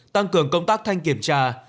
tăng cường công tác thanh kiểm tra